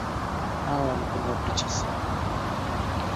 Hawa wanapenda picha sana.